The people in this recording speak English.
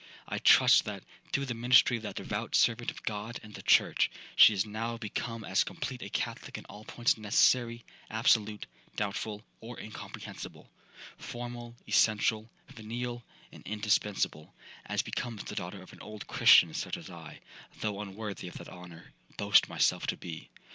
'I trust that, through the ministry of that devout servant of God and the church, she is now become as complete a Catholic in all points necessary, absolute, doubtful, or incomprehensible,—formal, essential, venial, and indispensible, as becomes the daughter of an old Christian such as I (though unworthy of that honour) boast myself to be.